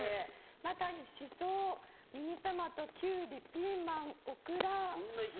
中にシソ、ミニトマト、キュウリピーマン、オクラ。